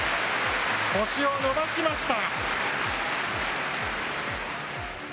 星を伸ばしました。